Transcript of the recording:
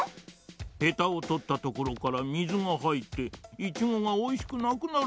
へたをとったところから水がはいってイチゴがおいしくなくなるんじゃよ。